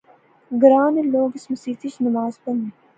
گراں نے لوک اس مسیتی اچ نماز پڑھنے